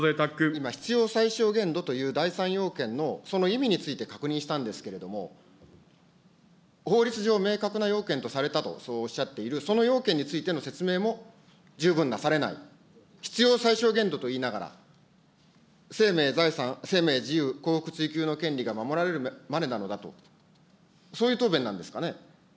今、必要最小限度という第３要件の、その意味について確認したんですけれども、法律上明確な要件とされたと、そうおっしゃっているその要件についての説明も十分なされない、必要最小限度と言いながら、生命、財産、生命、自由、幸福追求の権利が守られるまでなのだと、そういう答弁なんですかね。